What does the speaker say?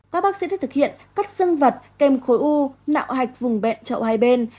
các bác sĩ đã thực hiện cắt dương vật kèm khối u nạo hạch vùng bẹn chậu hai bên